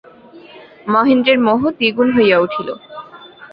মহেন্দ্রের মোহ দ্বিগুণ হইয়া উঠিল।